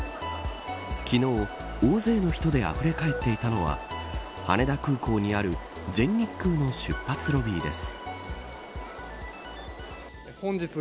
昨日、大勢の人であふれ返っていたのは羽田空港にある全日空の出発ロビーです。